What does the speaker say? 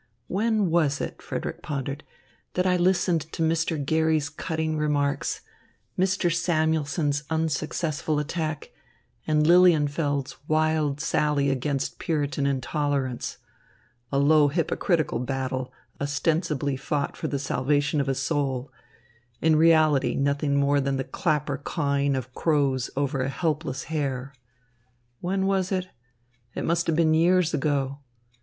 "When was it," Frederick pondered, "that I listened to Mr. Garry's cutting remarks, Mr. Samuelson's unsuccessful attack, and Lilienfeld's wild sally against Puritan intolerance a low, hypocritical battle ostensibly fought for the salvation of a soul; in reality nothing more than the clapperclawing of crows over a helpless hare. When was it? It must have been years ago.